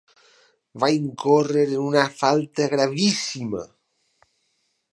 Va incórrer en una falta gravíssima.